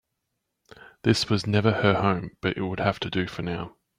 This was never her home, but it would have to do for now.